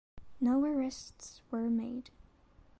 No arrests were made.